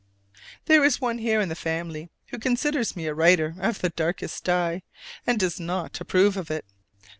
There is one here in the family who considers me a writer of the darkest dye, and does not approve of it.